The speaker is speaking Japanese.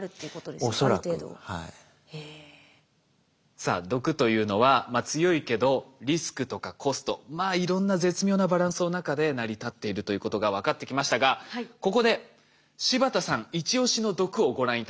さあ毒というのは強いけどリスクとかコストまあいろんな絶妙なバランスの中で成り立っているということが分かってきましたがここで柴田さんイチオシの毒をご覧頂きましょう。